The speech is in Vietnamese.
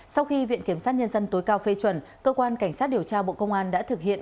sau khi viện kiểm sát nhân dân tối cao phê chuẩn cơ quan cảnh sát điều tra bộ công an đã thực hiện